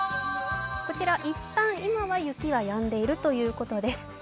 こちらいったん、今は雪はやんでいるということです。